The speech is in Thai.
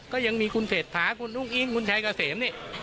ก็ยังมีคุณเศรษฐาคุณอุ้งอิงคุณชายเกษมนี่